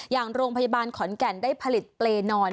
อย่างโรงพยาบาลขอนแก่นได้ผลิตเปรย์นอน